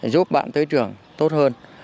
giúp bạn tới trường tốt hơn